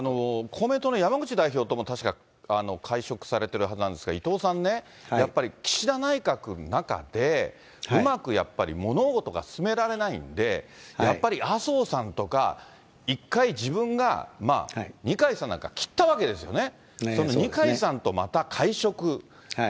公明党の山口代表とも確か会食されてるはずなんですが、伊藤さんね、やっぱり岸田内閣の中で、うまくやっぱり、物事が進められないんで、やっぱり麻生さんとか、一回、自分がまあ、二階さんなんか切ったわけですよね。